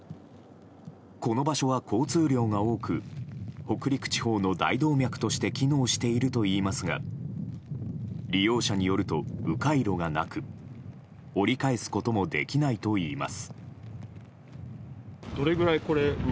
この場所は交通量が多く北陸地方の大動脈として機能しているといいますが利用者によると迂回路がなく、折り返すこともできないといいます。